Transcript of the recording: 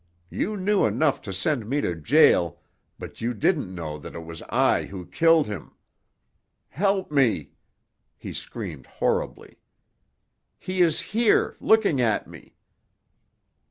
You knew enough to send me to jail, but you didn't know that it was I who killed him. Help me!" He screamed horribly. "He is here, looking at me!"